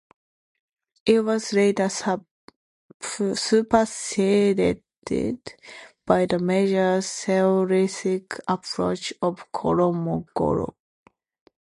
It was later superseded by the measure-theoretic approach of Kolmogorov.